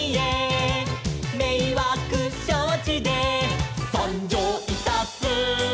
「めいわくしょうちでさんじょういたす」